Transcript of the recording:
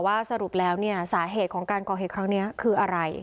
สรุปแล้วเนี่ยสาเหตุของการก่อเหตุครั้งนี้คืออะไร